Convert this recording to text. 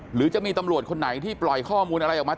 หรือจะมีตำรวจคนไหนที่ปล่อยข้อมูลอะไรออกมา